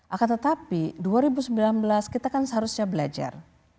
akan tetapi dua ribu sembilan belas kita kan seharusnya belajar